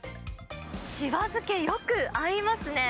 柴漬け、よく合いますね。